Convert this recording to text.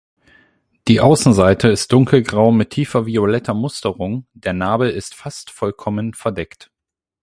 Die Außenseite ist dunkelgrau mit tiefer violetter Musterung, der Nabel ist fast vollkommen verdeckt.